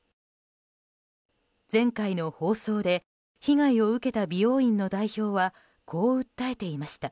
前回の放送で被害を受けた美容院の代表はこう訴えていました。